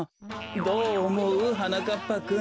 どうおもう？はなかっぱくん。